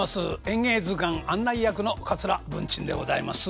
「演芸図鑑」案内役の桂文珍でございます。